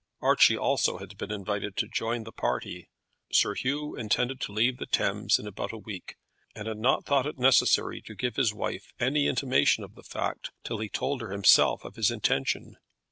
Archie also had been invited to join the party. Sir Hugh intended to leave the Thames in about a week, and had not thought it necessary to give his wife any intimation of the fact, till he told her himself of his intention.